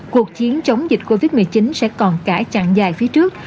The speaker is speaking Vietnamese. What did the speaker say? cuộc chiến chống dịch covid một mươi chín sẽ còn cãi chặn dài phía trước